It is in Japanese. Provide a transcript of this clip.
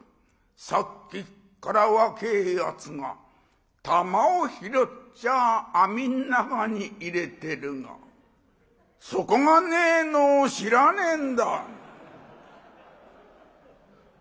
さっきっから若えやつが球を拾っちゃ網の中に入れてるが底がねえのを知らねえんだ」。